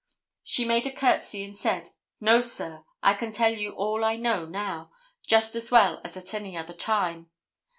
She made a courtesy and said, 'No, sir, I can tell you all I know now, just as well as at any other time.